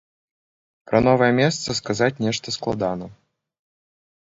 Пра новае месца сказаць нешта складана.